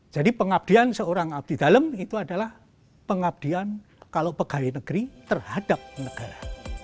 jadi pengabdian seorang abdi dalam itu adalah pengabdian kalau pegawai negeri terhadap negara